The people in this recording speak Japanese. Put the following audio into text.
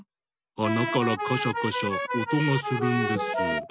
あなからカシャカシャおとがするんです。